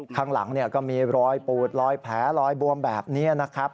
ข้างหลังก็มีรอยปูดรอยแผลลอยบวมแบบนี้นะครับ